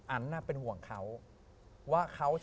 อันเป็นห่วงเขา